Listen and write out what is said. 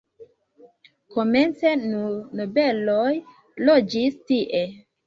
Komence nur nobeloj loĝis tie.